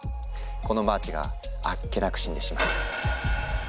このマーチがあっけなく死んでしまう。